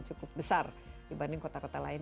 cukup besar dibanding kota kota lain